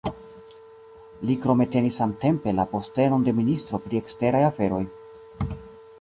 Li krome tenis samtempe la postenon de Ministro pri eksteraj aferoj.